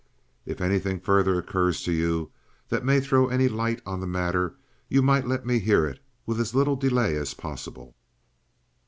"If anything further occurs to you that may throw any light on the matter, you might let me hear it with as little delay as possible."